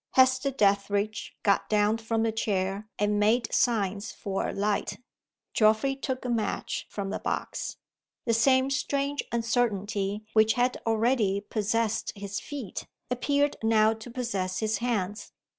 Hester Dethridge got down from the chair, and made signs for a light. Geoffrey took a match from the box. The same strange uncertainty which had already possessed his feet, appeared now to possess his hands.